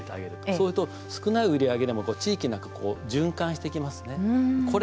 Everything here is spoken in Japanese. そうすると、少ない売り上げでも地域の中、循環していきますね。